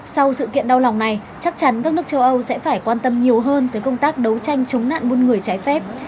sau sự kiện đau lòng này chắc chắn các nước châu âu sẽ phải quan tâm nhiều hơn tới công tác đấu tranh chống nạn buôn người trái phép